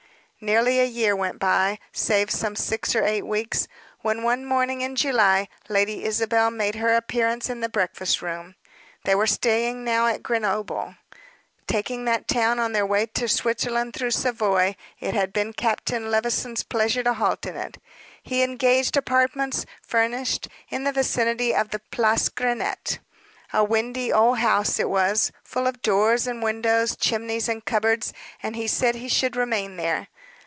Nearly a year went by, save some six or eight weeks, when, one morning in July, Lady Isabel made her appearance in the breakfast room. They were staying now at Grenoble. Taking that town on their way to Switzerland through Savoy, it had been Captain Levison's pleasure to halt in it. He engaged apartments, furnished, in the vicinity of the Place Grenette. A windy, old house it was, full of doors and windows, chimneys and cupboards; and he said he should remain there.